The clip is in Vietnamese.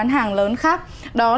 đáng tự hào hơn